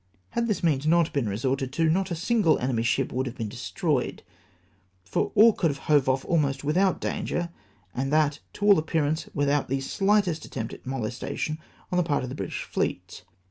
Had this means not been resorted to, not a single enemy's ship would have been destroyed^ for all could have hove off almost without damage, and that, to all appearance, without the shghtest attempt at molestation on the part of the British fleet.